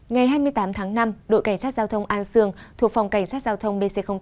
ngày hai mươi tám tháng năm đội cảnh sát giao thông an sương thuộc phòng cảnh sát giao thông bc tám